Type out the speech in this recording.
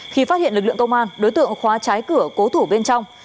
khi phát hiện lực lượng công an đối tượng khóa trái cửa cố thủ bên trong